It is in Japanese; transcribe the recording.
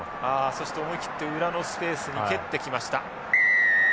そして思い切って裏のスペースに蹴ってきました。